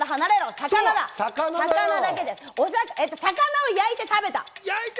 魚だ、お魚を焼いて食べた。